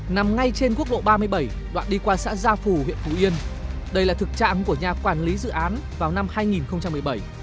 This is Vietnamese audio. nằm ngay trên quốc lộ ba mươi bảy đoạn đi qua xã gia phù huyện phú yên đây là thực trạng của nhà quản lý dự án vào năm hai nghìn một mươi bảy